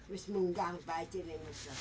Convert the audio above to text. bisa mungkang baju ini